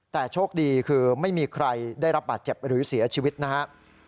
แต่โชคดีคือไม่มีใครได้รับบาดเจ็บหรือเสียชีวิตนะครับ